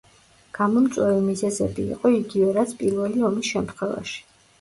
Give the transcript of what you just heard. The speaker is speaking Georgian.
გამომწვევი მიზეზები იყო იგივე რაც პირველი ომის შემთხვევაში.